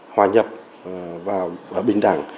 hòa nhập và bình đẳng